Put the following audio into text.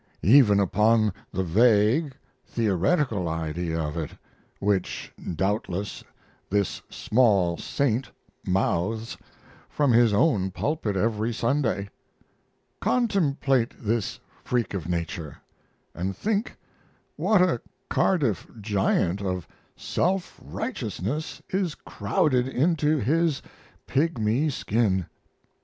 even upon the vague, theoretical idea of it which doubtless this small saint mouths from his own pulpit every Sunday. Contemplate this freak of nature, and think what a Cardiff giant of self righteousness is crowded into his pigmy skin.